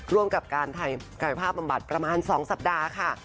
ร่วมกับการถ่ายภาพบำบัดประมาณ๒สัปดาห์ค่ะ